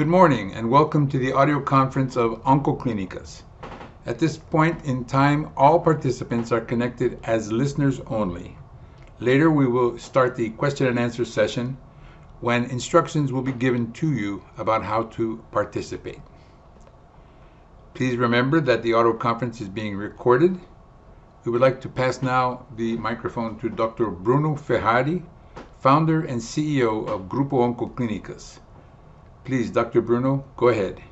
Good morning and welcome to the Audio Conference of Oncoclínicas. At this point in time, all participants are connected as listeners only. Later, we will start the question-and-answer session when instructions will be given to you about how to participate. Please remember that the audio conference is being recorded. We would like to pass now the microphone to Dr. Bruno Ferrari, Founder and CEO of Oncoclínicas. Please, Dr. Bruno, go ahead.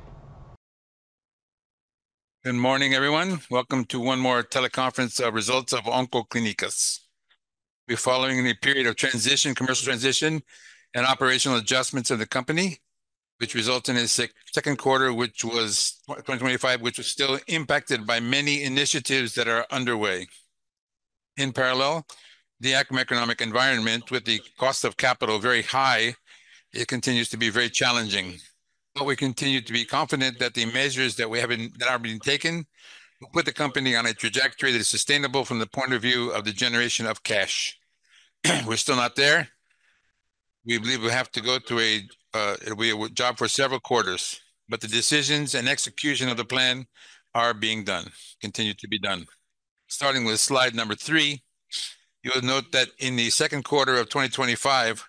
Good morning, everyone. Welcome to one more teleconference of results of Oncoclínicas. We're following the period of transition, commercial transition, and operational adjustments of the company, which resulted in a second quarter, which was 2025, which was still impacted by many initiatives that are underway. In parallel, the active macroeconomic environment, with the cost of capital very high, it continues to be very challenging. We continue to be confident that the measures that we have been taking will put the company on a trajectory that is sustainable from the point of view of the generation of cash. We're still not there. We believe we have to go through a job for several quarters, but the decisions and execution of the plan are being done, continue to be done. Starting with slide number three, you'll note that in the second quarter of 2025,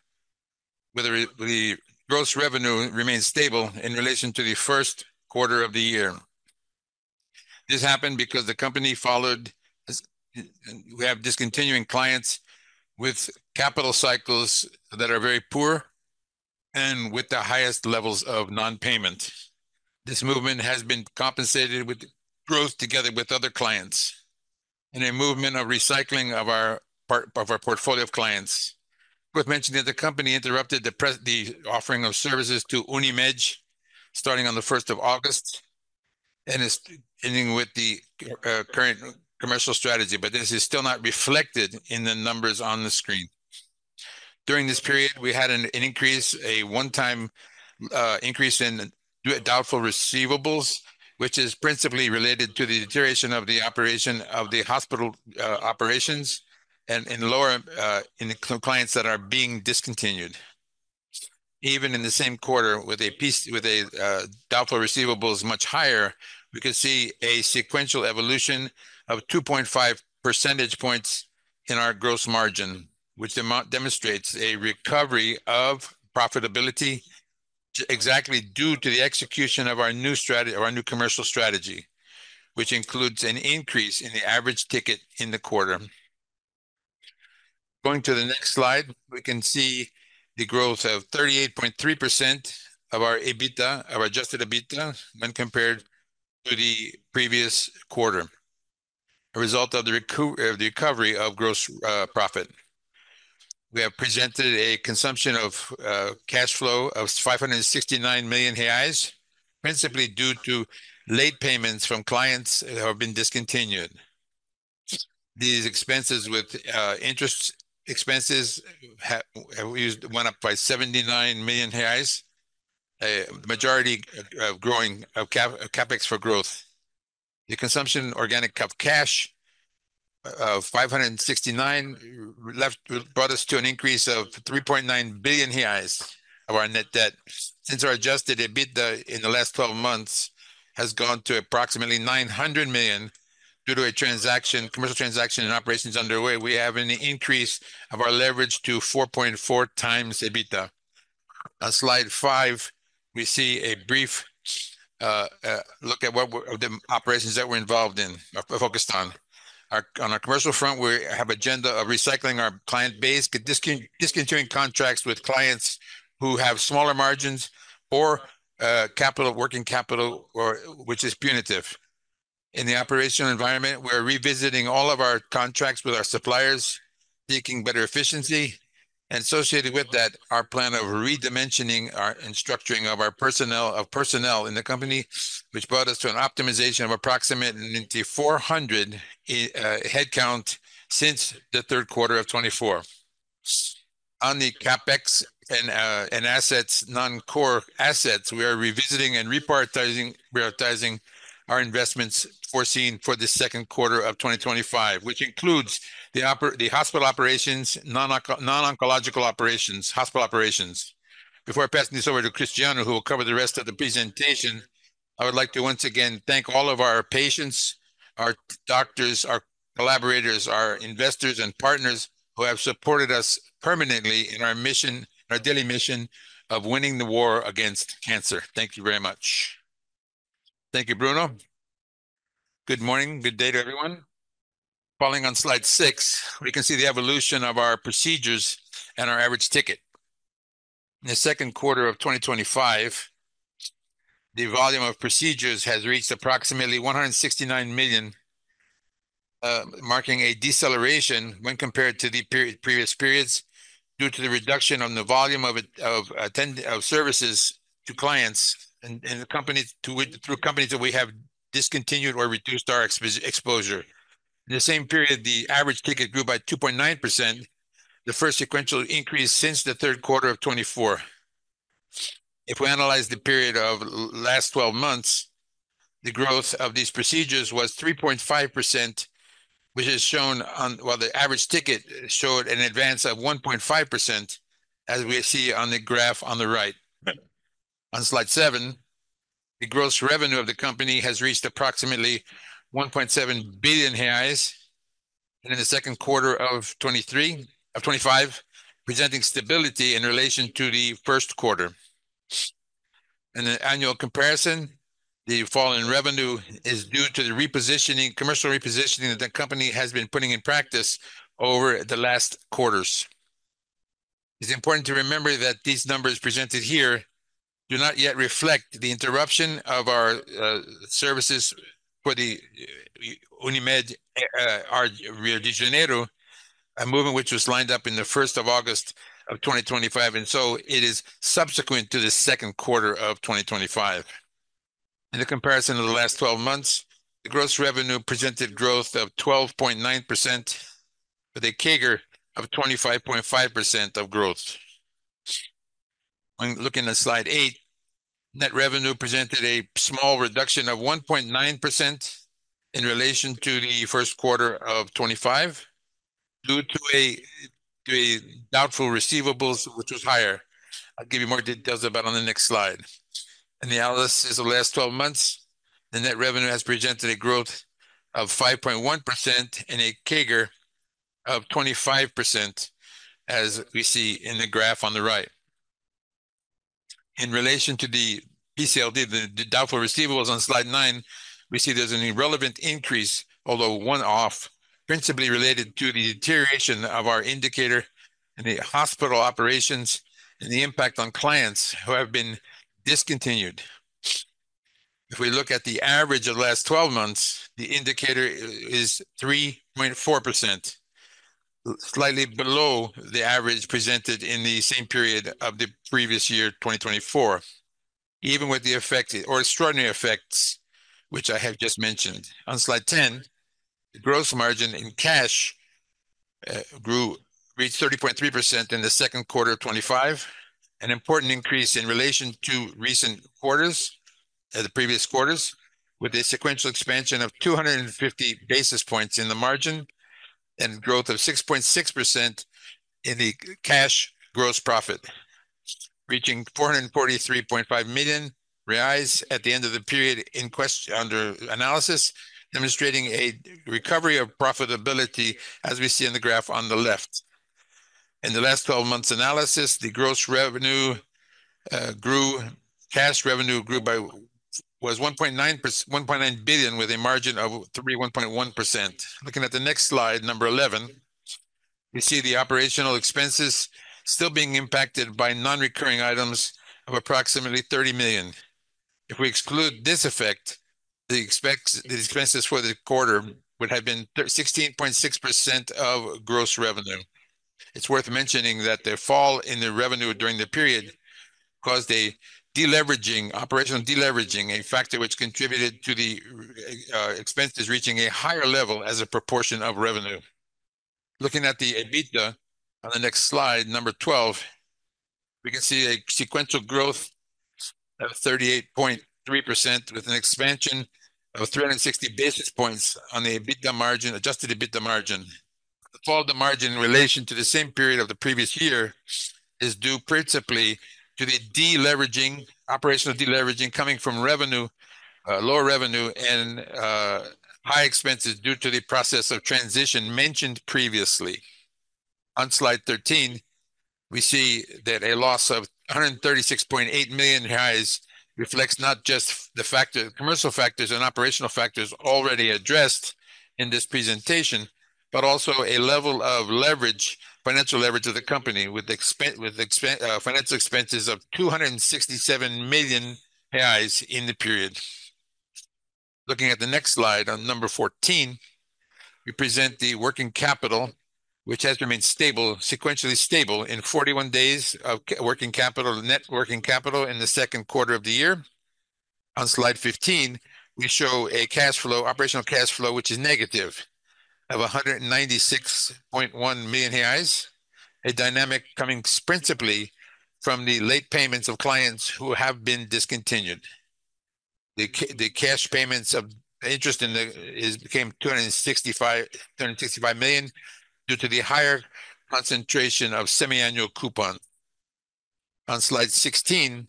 the gross revenue remains stable in relation to the first quarter of the year. This happened because the company followed- we have discontinuing clients with capital cycles that are very poor and with the highest levels of non-payment. This movement has been compensated with growth together with other clients and a movement of recycling of our portfolio of clients. Worth mentioning that the company interrupted the offering of services to Unimed starting on the 1st of August and is ending with the current commercial strategy, but this is still not reflected in the numbers on the screen. During this period, we had an increase, a one-time increase in doubtful receivables, which is principally related to the deterioration of the operation of the hospital operations and in lower clients that are being discontinued. Even in the same quarter, with a doubtful receivables much higher, we could see a sequential evolution of 2.5% in our gross margin, which demonstrates a recovery of profitability exactly due to the execution of our new commercial strategy, which includes an increase in the average ticket in the quarter. Going to the next slide, we can see the growth of 38.3% of our EBITDA, of our adjusted EBITDA when compared to the previous quarter, a result of the recovery of gross profit. We have presented a consumption of cash flow of 569 million reais, principally due to late payments from clients who have been discontinued. These expenses with interest expenses have went up by 79 million reais, a majority growing CapEx for growth. The consumption of organic cash of 569 million brought us to an increase of 3.9 billion reais of our net debt. Since our adjusted EBITDA in the last 12 months has gone to approximately 900 million due to a commercial transaction and operations underway, we have an increase of our leverage to 4.4x EBITDA. On slide five, we see a brief look at what the operations that we're involved in, focused on. On our commercial front, we have an agenda of recycling our client base, discontinuing contracts with clients who have smaller margins or capital of working capital, which is punitive. In the operational environment, we're revisiting all of our contracts with our suppliers, seeking better efficiency, and associated with that, our plan of redimensioning and structuring of our personnel in the company, which brought us to an optimization of approximately 400 headcount since the third quarter of 2024. On the CapEx and assets, non-core assets, we are revisiting and reprioritizing our investments foreseen for the second quarter of 2025, which includes the hospital operations, non-oncological operations, hospital operations. Before I pass this over to Cristiano, who will cover the rest of the presentation, I would like to once again thank all of our patients, our doctors, our collaborators, our investors, and partners who have supported us permanently in our mission, our daily mission of winning the war against cancer. Thank you very much. Thank you, Bruno. Good morning. Good day to everyone. Following on slide six, we can see the evolution of our procedures and our average ticket. In the second quarter of 2025, the volume of procedures has reached approximately 169 million, marking a deceleration when compared to the previous periods due to the reduction in the volume of services to clients and through companies that we have discontinued or reduced our exposure. In the same period, the average ticket grew by 2.9%, the first sequential increase since the third quarter of 2024. If we analyze the period of the last 12 months, the growth of these procedures was 3.5%, which is shown on the average ticket showed an advance of 1.5%, as we see on the graph on the right. On slide seven, the gross revenue of the company has reached approximately 1.7 billion reais in the second quarter of 2025, presenting stability in relation to the first quarter. In an annual comparison, the fall in revenue is due to the commercial repositioning that the company has been putting in practice over the last quarters. It's important to remember that these numbers presented here do not yet reflect the interruption of our services for the Unimed Rio de Janeiro, a movement which was lined up on 1st of August 2025, and it is subsequent to the second quarter of 2025. In a comparison of the last 12 months, the gross revenue presented growth of 12.9% with a CAGR of 25.5% of growth. When looking at slide eight, net revenue presented a small reduction of 1.9% in relation to the first quarter of 2025 due to doubtful receivables, which was higher. I'll give you more details about it on the next slide. In the analysis of the last 12 months, the net revenue has presented a growth of 5.1% and a CAGR of 25%, as we see in the graph on the right. In relation to the PCLD, the doubtful receivables on slide nine, we see there's an irrelevant increase, although one-off, principally related to the deterioration of our indicator in the hospital operations and the impact on clients who have been discontinued. If we look at the average of the last 12 months, the indicator is 3.4%, slightly below the average presented in the same period of the previous year, 2024, even with the effect or extraordinary effects which I have just mentioned. On slide 10, the gross margin in cash reached 30.3% in the second quarter of 2025, an important increase in relation to recent quarters, the previous quarters, with a sequential expansion of 250 basis points in the margin and growth of 6.6% in the cash gross profit, reaching 443.5 million reais at the end of the period in question under analysis, demonstrating a recovery of profitability, as we see in the graph on the left. In the last 12 months' analysis, the gross revenue grew, cash revenue grew by 1.9 billion with a margin of 1.1%. Looking at the next slide, number 11, we see the operational expenses still being impacted by non-recurring items of approximately 30 million. If we exclude this effect, the expenses for the quarter would have been 16.6% of gross revenue. It's worth mentioning that the fall in the revenue during the period caused a deleveraging, operational deleveraging, a factor which contributed to the expenses reaching a higher level as a proportion of revenue. Looking at the EBITDA on the next slide, number 12, we can see a sequential growth of 38.3% with an expansion of 360 basis points on the EBITDA margin, adjusted EBITDA margin. The fall of the margin in relation to the same period of the previous year is due principally to the deleveraging, operational deleveraging coming from lower revenue and high expenses due to the process of transition mentioned previously. On slide 13, we see that a loss of 136.8 million reflects not just the factor, commercial factors and operational factors already addressed in this presentation, but also a level of leverage, financial leverage of the company, with financial expenses of 267 million reais in the period. Looking at the next slide, on number 14, we present the working capital, which has remained stable, sequentially stable in 41 days of working capital, net working capital in the second quarter of the year. On slide 15, we show a cash flow, operational cash flow, which is negative of 196.1 million reais, a dynamic coming principally from the late payments of clients who have been discontinued. The cash payments of interest in the quarter came to 265 million due to the higher concentration of semiannual coupons. On slide 16,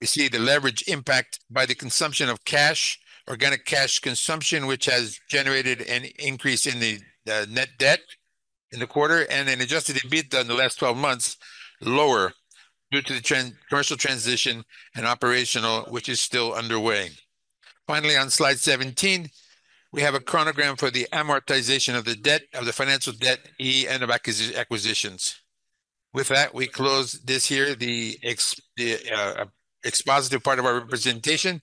we see the leverage impact by the consumption of cash, organic cash consumption, which has generated an increase in the net debt in the quarter and an adjusted EBITDA in the last 12 months lower due to the commercial transition and operational, which is still underway. Finally, on slide 17, we have a chronogram for the amortization of the debt, of the financial debt, and of acquisitions. With that, we close this here, the expository part of our presentation,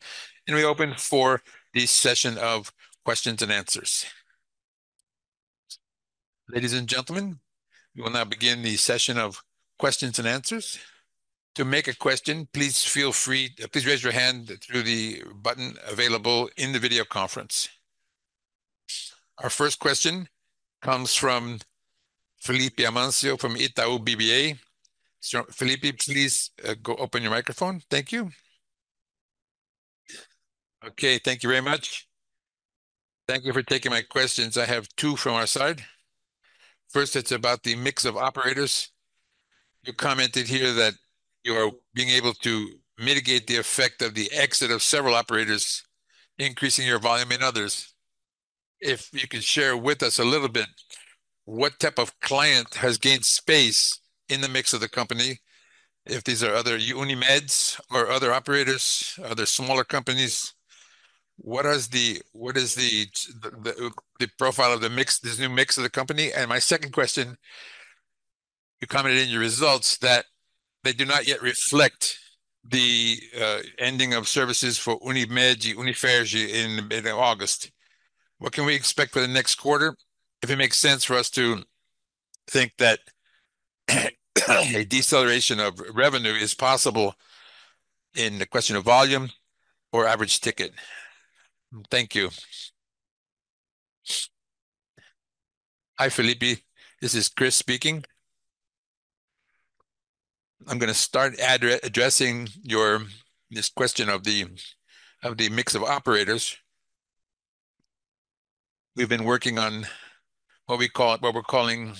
and we open for the session of questions and answers. Ladies and gentlemen, we will now begin the session of questions and answers. To make a question, please feel free, please raise your hand through the button available in the video conference. Our first question comes from Felipe Amancio from Itaú BBA. Felipe, please go open your microphone. Thank you. Okay, thank you very much. Thank you for taking my questions. I have two from our side. First, it's about the mix of operators. You commented here that you are being able to mitigate the effect of the exit of several operators, increasing your volume in others. If you could share with us a little bit, what type of client has gained space in the mix of the company? If these are other Unimeds or other operators, other smaller companies, what is the profile of the mix, this new mix of the company? My second question, you commented in your results that they do not yet reflect the ending of services for Unimed and Unifers in August. What can we expect for the next quarter? If it makes sense for us to think that a deceleration of revenue is possible in the question of volume or average ticket. Thank you. Hi, Felipe. This is Cris speaking. I'm going to start addressing your question of the mix of operators. We've been working on what we call, what we're calling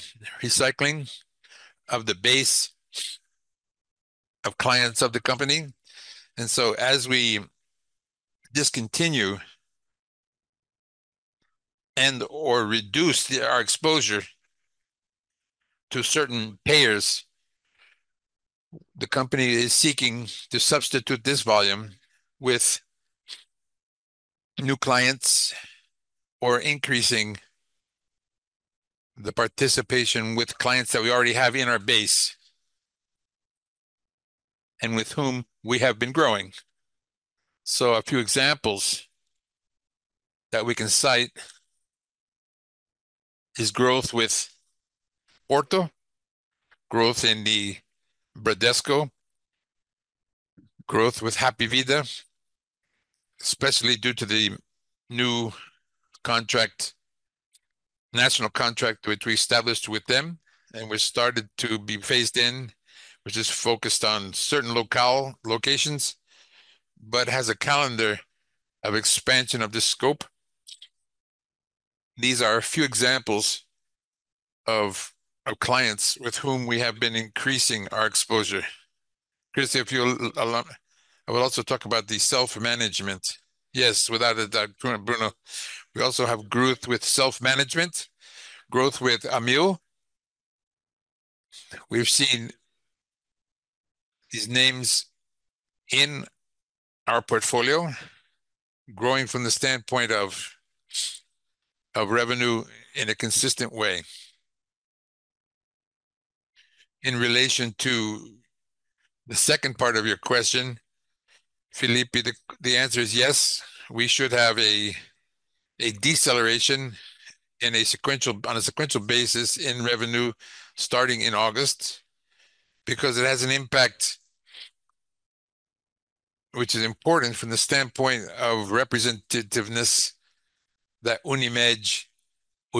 recycling of the base of clients of the company. As we discontinue and/or reduce our exposure to certain payers, the company is seeking to substitute this volume with new clients or increasing the participation with clients that we already have in our base and with whom we have been growing. A few examples that we can cite are growth with Porto, growth in the Bradesco, growth with Hapvida, especially due to the new contract, national contract which we established with them and which started to be phased in, which is focused on certain locations, but has a calendar of expansion of this scope. These are a few examples of clients with whom we have been increasing our exposure. I will also talk about the self-management. Yes, without a doubt, Bruno, we also have growth with self-management, growth with Amil. We've seen these names in our portfolio growing from the standpoint of revenue in a consistent way. In relation to the second part of your question, Felipe, the answer is yes, we should have a deceleration on a sequential basis in revenue starting in August because it has an impact, which is important from the standpoint of representativeness that Unimed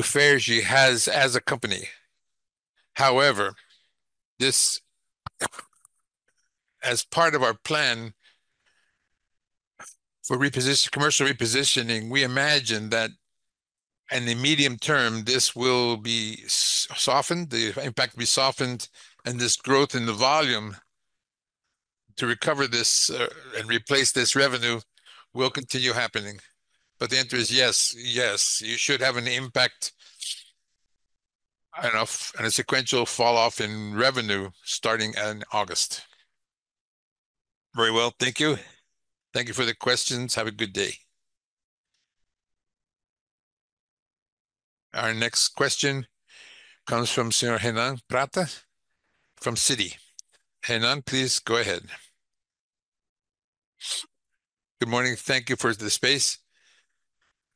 Ferj has as a company. However, as part of our plan for commercial repositioning, we imagine that in the medium term, this will be softened, the impact will be softened, and this growth in the volume to recover this and replace this revenue will continue happening. The answer is yes, yes, you should have an impact and a sequential falloff in revenue starting in August. Very well, thank you. Thank you for the questions. Have a good day. Our next question comes from Renan Prata from Citi. Renan, please go ahead. Good morning. Thank you for the space.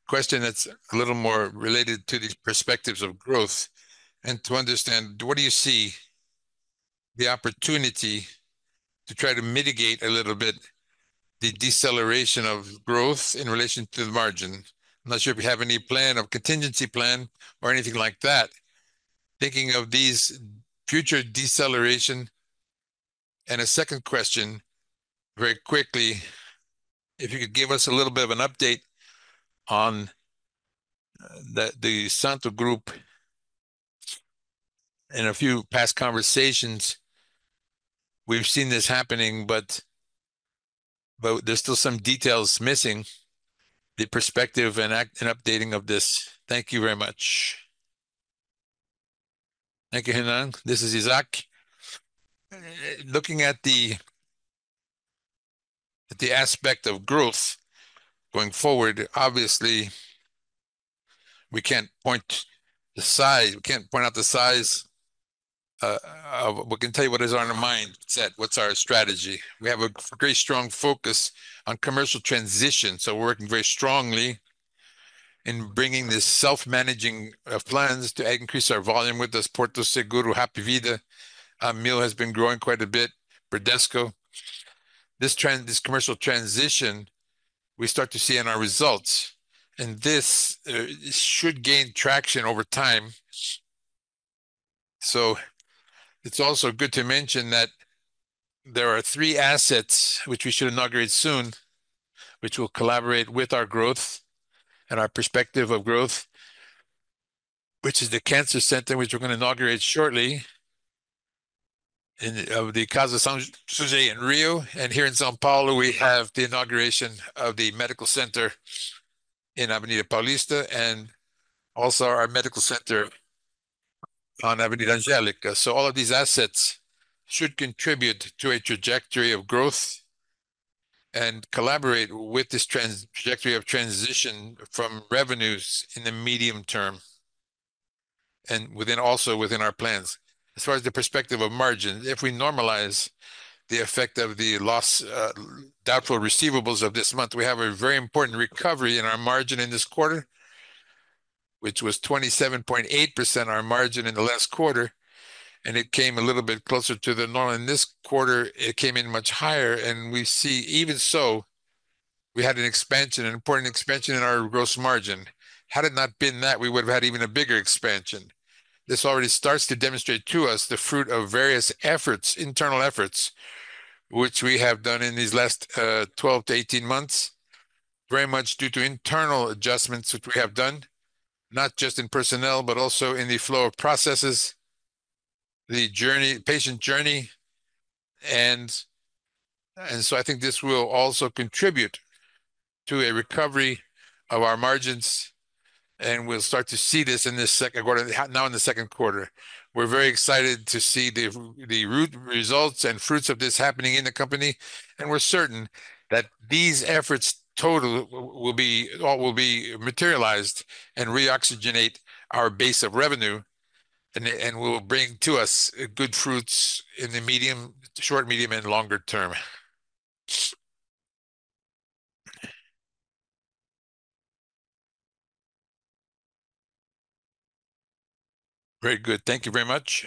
Question that's a little more related to the perspectives of growth and to understand what do you see the opportunity to try to mitigate a little bit the deceleration of growth in relation to the margin. I'm not sure if you have any plan of contingency plan or anything like that. Thinking of these future decelerations. A second question, very quickly, if you could give us a little bit of an update on the Santa Group. In a few past conversations, we've seen this happening, but there's still some details missing the perspective and updating of this. Thank you very much. Thank you, Renan. This is Isaac. Looking at the aspect of growth going forward, obviously, we can't point the size, we can't point out the size of what we can tell you what is on our mindset, what's our strategy. We have a very strong focus on commercial transition, so we're working very strongly in bringing the self-managing plans to increase our volume with this Porto Seguro, Hapvida. Amil has been growing quite a bit, Bradesco. This trend, this commercial transition, we start to see in our results, and this should gain traction over time. It is also good to mention that there are three assets which we should inaugurate soon, which will collaborate with our growth and our perspective of growth, which is the cancer center, which we're going to inaugurate shortly of the Casa San José in Rio, and here in São Paulo, we have the inauguration of the medical center in Avenida Paulista and also our medical center on Avenida Angélica. All of these assets should contribute to a trajectory of growth and collaborate with this trajectory of transition from revenues in the medium term and also within our plans. As far as the perspective of margins, if we normalize the effect of the loss, doubtful receivables of this month, we have a very important recovery in our margin in this quarter, which was 27.8% of our margin in the last quarter, and it came a little bit closer to the norm. In this quarter, it came in much higher, and we see even so we had an expansion, an important expansion in our gross margin. Had it not been that, we would have had even a bigger expansion. This already starts to demonstrate to us the fruit of various efforts, internal efforts, which we have done in these last 12-18 months, very much due to internal adjustments which we have done, not just in personnel, but also in the flow of processes, the patient journey. I think this will also contribute to a recovery of our margins, and we'll start to see this in this second quarter, now in the second quarter. We're very excited to see the root results and fruits of this happening in the company, and we're certain that these efforts total will be all materialized and re-oxygenate our base of revenue, and we will bring to us good fruits in the short, medium, and longer term. Very good. Thank you very much.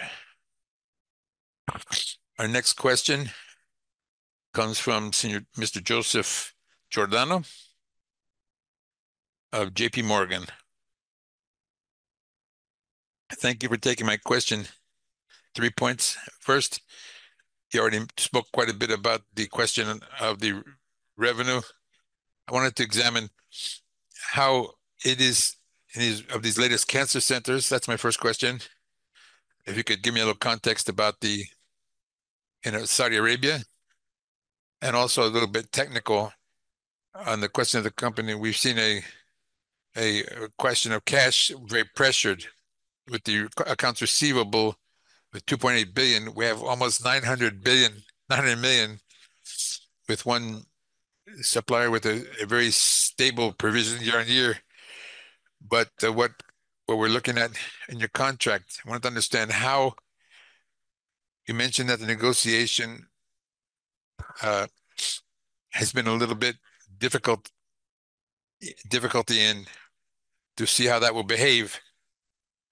Our next question comes from Mr. Joseph Giordano of JPMorgan. Thank you for taking my question. Three points. First, you already spoke quite a bit about the question of the revenue. I wanted to examine how it is in these latest cancer centers. That's my first question. If you could give me a little context about the Saudi Arabia and also a little bit technical on the question of the company. We've seen a question of cash very pressured with the accounts receivable of 2.8 billion. We have almost 900 million with one supplier with a very stable provision year-on-year. What we're looking at in your contract, I want to understand how you mentioned that the negotiation has been a little bit difficult to see how that will behave.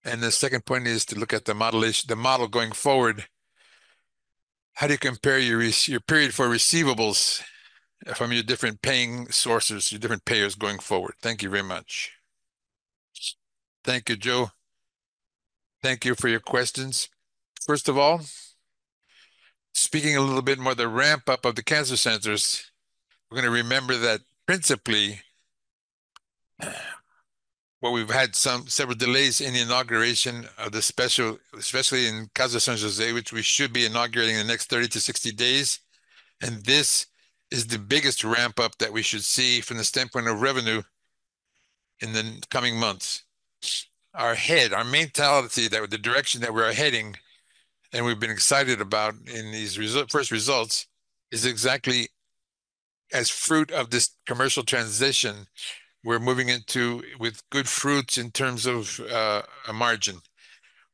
The second point is to look at the model going forward. How do you compare your period for receivables, from your different paying sources, your different payers going forward? Thank you very much. Thank you, Joe. Thank you for your questions. First of all, speaking a little bit more of the ramp-up of the cancer centers, we're going to remember that principally what we've had some several delays in the inauguration, especially in Casa San José, which we should be inaugurating in the next 30 days-60 days. This is the biggest ramp-up that we should see from the standpoint of revenue in the coming months. Our head, our mentality, the direction that we are heading, and we've been excited about in these first results is exactly as fruit of this commercial transition. We're moving into with good fruits in terms of a margin.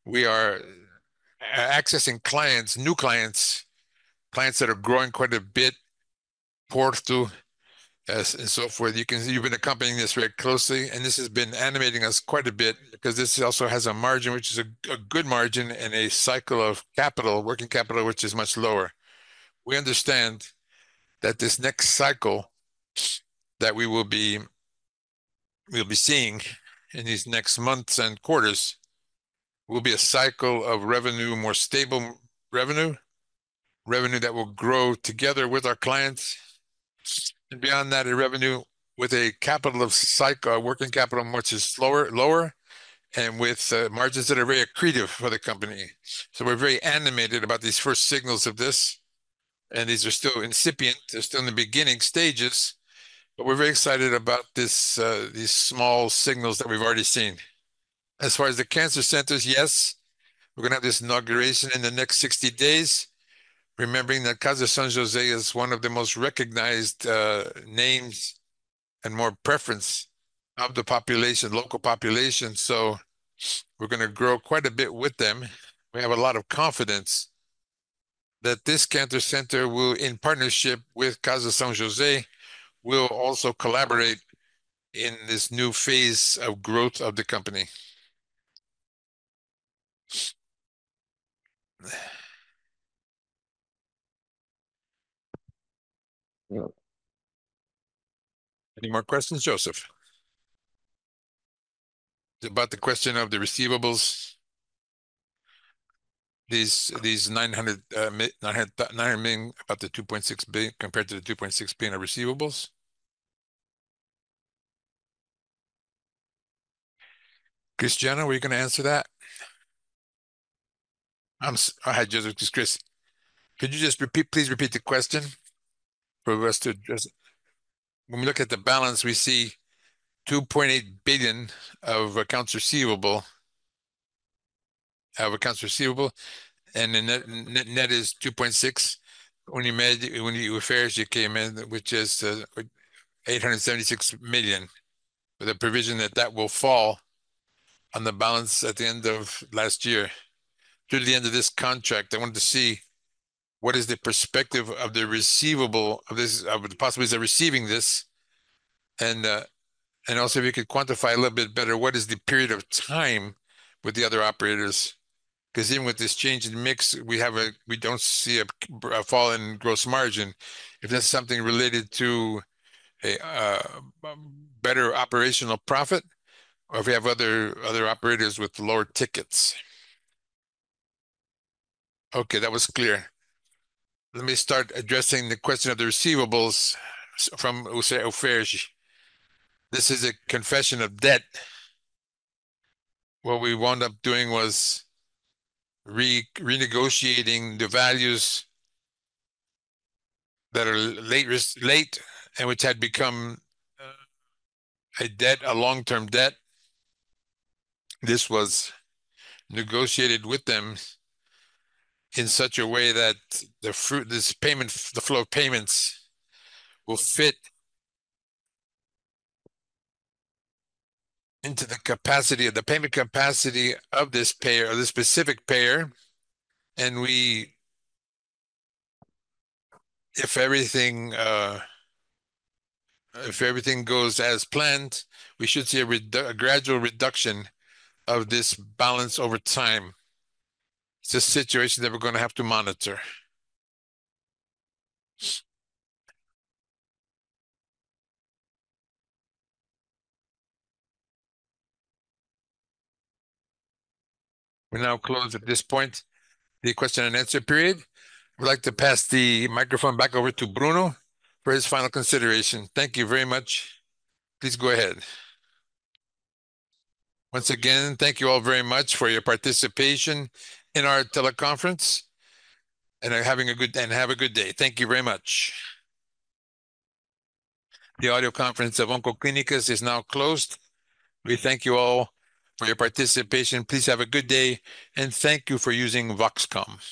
We are accessing clients, new clients, clients that are growing quite a bit, Porto, and so forth. You can see you've been accompanying this very closely, and this has been animating us quite a bit because this also has a margin, which is a good margin, and a cycle of capital, working capital, which is much lower. We understand that this next cycle that we will be seeing in these next months and quarters will be a cycle of revenue, more stable revenue, revenue that will grow together with our clients. Beyond that, a revenue with a capital of cycle, working capital, which is lower, and with margins that are very accretive for the company. We're very animated about these first signals of this, and these are still incipient. They're still in the beginning stages, but we're very excited about these small signals that we've already seen. As far as the cancer centers, yes, we're going to have this inauguration in the next 60 days, remembering that Casa San José is one of the most recognized names and more preference of the local population. We're going to grow quite a bit with them. We have a lot of confidence that this cancer center, in partnership with Casa San José, will also collaborate in this new phase of growth of the company. Any more questions, Joseph? It's about the question of the receivables. These 900 million, about the 2.6 billion compared to the 2.6 billion of receivables. Cristiano, were you going to answer that? I had Joseph, which is Chris. Could you just repeat, please repeat the question for us to address it? When we look at the balance, we see 2.8 billion of accounts receivable, and the net is 2.6 billion. Only when you came in, which is 876 million, with a provision that that will fall on the balance at the end of last year. Due to the end of this contract, I wanted to see what is the perspective of the receivable of this, of the possibilities of receiving this. Also, if you could quantify a little bit better, what is the period of time with the other operators? Because even with this change in mix, we have a, we don't see a fall in gross margin. Is this something related to a better operational profit or if we have other operators with lower tickets? Okay, that was clear. Let me start addressing the question of the receivables from [Ose Oferj]. This is a confession of debt. What we wound up doing was renegotiating the values that are late, and which had become a debt, a long-term debt. This was negotiated with them in such a way that the payment, the flow of payments will fit into the capacity of the payment capacity of this payer, of this specific payer. If everything goes as planned, we should see a gradual reduction of this balance over time. It's a situation that we're going to have to monitor. We're now closed at this point, the question and answer period. We'd like to pass the microphone back over to Bruno for his final consideration. Thank you very much. Please go ahead. Once again, thank you all very much for your participation in our teleconference and having a good day. Thank you very much. The audio conference of Oncoclínicas is now closed. We thank you all for your participation. Please have a good day, and thank you for using VoxCom.